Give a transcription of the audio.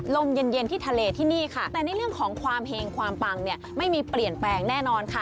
ลมเย็นเย็นที่ทะเลที่นี่ค่ะแต่ในเรื่องของความเฮงความปังเนี่ยไม่มีเปลี่ยนแปลงแน่นอนค่ะ